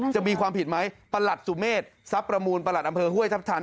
จะมีความผิดไหมประหลัดสุเมษทรัพย์ประมูลประหลัดอำเภอห้วยทัพทัน